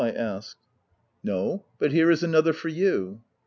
1 asked. w No ; but here is another for you."